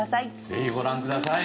ぜひご覧ください。